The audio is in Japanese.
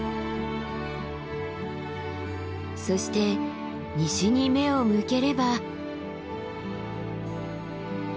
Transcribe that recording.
そして西に目を向ければ。